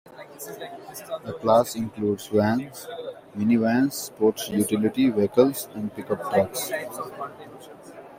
The class includes vans, minivans, sport utility vehicles, and pickup trucks.